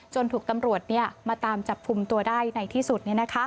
ถูกตำรวจมาตามจับกลุ่มตัวได้ในที่สุด